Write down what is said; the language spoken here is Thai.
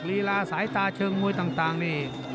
ลีลาสายตาเชิงมวยต่างนี่